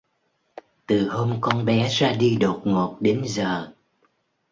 từ hôm con bé ra đi đột ngột đến giờ